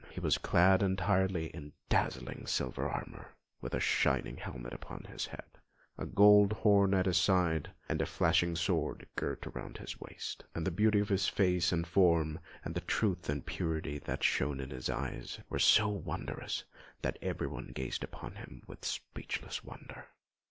He was clad entirely in dazzling silver armour, with a shining helmet upon his head, a golden horn at his side, and a flashing sword girt around his waist; and the beauty of his face and form, and the truth and purity that shone in his eyes, were so wondrous that everyone gazed upon him with speechless wonder.